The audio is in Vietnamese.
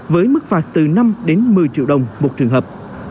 với mức phạt từ năm đến một mươi triệu đồng một trường hợp